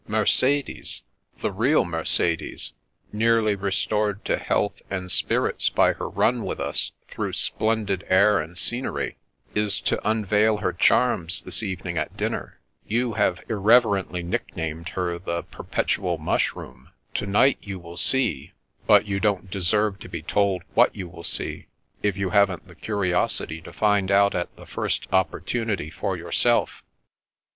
Mercedes — ^the real Mercedes — ^nearly restored to health and spirits by her run with us through splendid air and scenery, is to unveil her charms this evening at dinner. You have irreverently nicknamed her the The Day of Suspense 355 Perpetual Mushroom. To night, you will see — but you don't deserve to be told what you will see, if you haven't the curiosity to find out at the first op portunity for yourself."